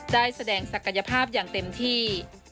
ได้แสดงศักยภาพอย่างเต็มที่